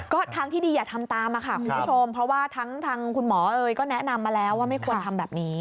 ก็ทั้งที่ดีอย่าทำตามค่ะคุณผู้ชม